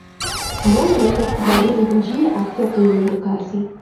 mbuni anaweza kubadili njia akiwa kwenye mwendo kasi